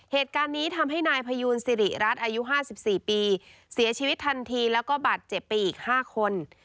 เหตุการณ์นี้ทำให้นายพยูนสิริรัตน์อายุ๕๔ปีเสียชีวิตทันทีแล้วก็บาดเจ็บไปอีก๕คน